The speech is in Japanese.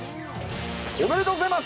おめでとうございます。